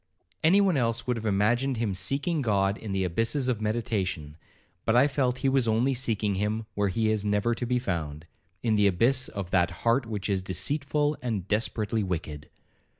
Any one else would have imagined him seeking God in the abysses of meditation, but I felt he was only seeking him where he is never to be found,—in the abyss of that heart which is 'deceitful and desperately wicked.'